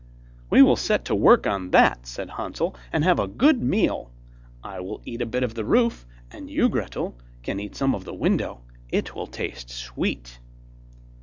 'We will set to work on that,' said Hansel, 'and have a good meal. I will eat a bit of the roof, and you Gretel, can eat some of the window, it will taste sweet.